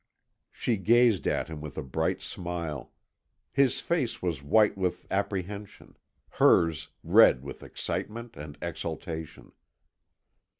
She gazed at him with a bright smile. His face was white with apprehension; hers, red with excitement and exaltation.